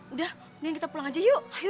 udah mending kita pulang aja yuk